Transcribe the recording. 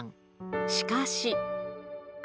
しかし。